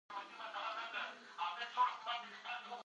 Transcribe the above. امیر محمد یعقوب خان بندي سوی وو.